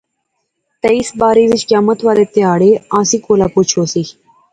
تہ اس بارے وچ قیامت والے تہاڑے آنسیں کولا پچھ ہوسی